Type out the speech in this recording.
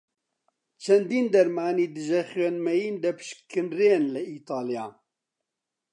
چەندین دەرمانی دژە خوێن مەین دەپشکنرێن لە ئیتاڵیا.